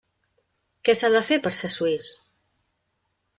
Què s'ha de fer per ser suís?